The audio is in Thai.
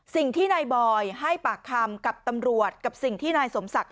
สิ่งที่นายบอยให้ปากคำกับตำรวจกับสิ่งที่นายสมศักดิ